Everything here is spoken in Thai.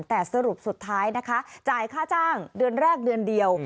แต่สรุปสุดท้ายนะคะจ่ายค่าจ้างเดือนแรกเดือนเดียว